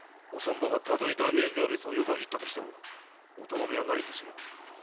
たとえ大名行列を横切ってもお咎めはないんですよ。